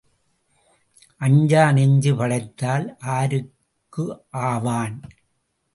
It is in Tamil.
அஞ்சா நெஞ்சு படைத்தால் ஆருக்கு ஆவான்?